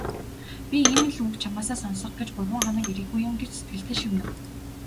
"Би ийм л үг чамаасаа сонсох гэж гурав хоног ирээгүй юм" гэж сэтгэлдээ шивнэв.